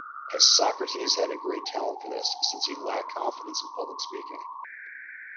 Isocrates had a great talent for this since he lacked confidence in public speaking.